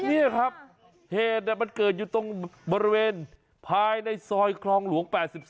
นี่ครับเหตุมันเกิดอยู่ตรงบริเวณภายในซอยคลองหลวง๘๒